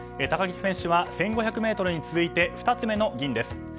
高木選手は１５００ｍに続いて２つ目の銀です。